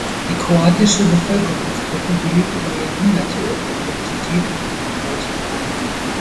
Die kroatische Bevölkerungsgruppe behielt über Jahrhunderte ihre Identität und ihre Bräuche bei.